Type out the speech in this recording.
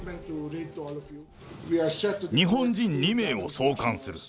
日本人２名を送還する。